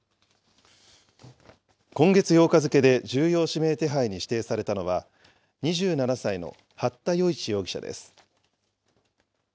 今月８日付で重要指名手配に指定されたのは、２７歳の八田與一容疑者です。